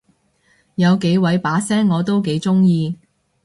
有幾位把聲我都幾中意